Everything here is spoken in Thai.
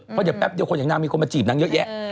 เพราะเดี๋ยวแป๊บเดียวคนอย่างนางมีคนมาจีบนางเยอะแยะ